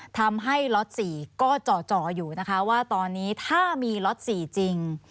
ทำให้ล็อต๔ก็จ่ออยู่นะคะว่าตอนนี้ถ้ามีล็อต๔จริง